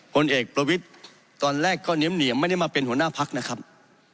ผลเอกประวิทย์ตอนแรกก็เหนียมไม่ได้มาเป็นหัวหน้าพักนะครับ